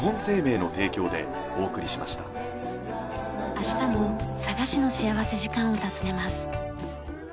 明日も佐賀市の幸福時間を訪ねます。